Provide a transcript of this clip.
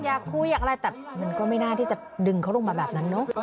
อยากคุยอยากอะไรแต่มันก็ไม่น่าที่จะดึงเขาลงมาแบบนั้นเนอะ